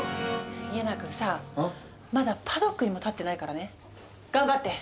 家長くんさあまだパドックにも立ってないからね頑張って。